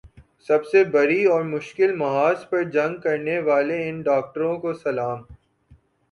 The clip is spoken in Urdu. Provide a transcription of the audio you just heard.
سب سے بڑی اور مشکل محاذ پر جنگ کرنے والے ان ڈاکٹروں کو سلام